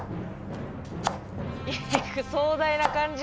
えぐ壮大な感じ。